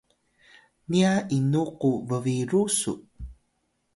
niya inu ku bbiru su?